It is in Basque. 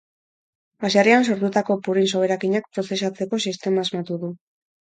Baserrian sortutako purin soberakinak prozesatzeko sistema asmatu du.